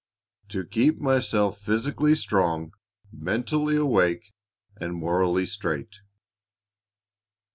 "... To keep myself physically strong, mentally awake, and morally straight."